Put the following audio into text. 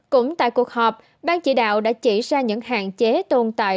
cũng tại cuộc họp ban chỉ đạo đã chỉ ra những hạn chế tồn tại